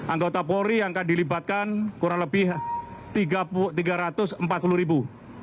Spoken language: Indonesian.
anggota polri yang akan dilibatkan kurang lebih tiga ratus empat puluh ribu